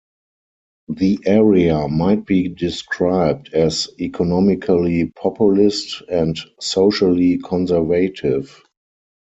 The area might be described as economically populist and socially conservative.